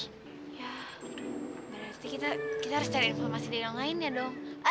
ya berarti kita harus cari informasi dari yang lainnya dong